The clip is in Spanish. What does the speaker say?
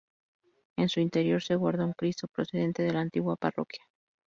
En su interior se guarda un Cristo procedente de la antigua parroquia.